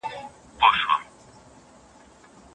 مست له مُلو به زلمیان وي ته به یې او زه به نه یم